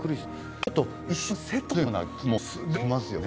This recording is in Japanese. ちょっと一瞬セットのような気もしますよね。